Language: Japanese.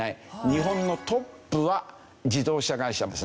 日本のトップは自動車会社ですね。